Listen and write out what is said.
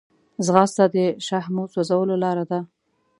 ځغاسته د شحمو سوځولو لاره ده